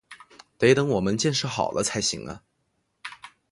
得等我们建设好了才行啊